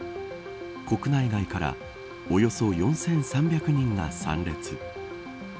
国内外からおよそ４３００人が参列。